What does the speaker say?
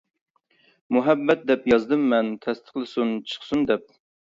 مۇھەببەت دەپ يازدىم مەن، تەستىقلىسۇن چىقسۇن دەپ.